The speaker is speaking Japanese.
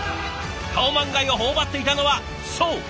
カオマンガイを頬張っていたのはそう審判。